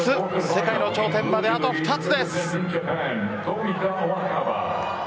世界の頂点まであと２つです。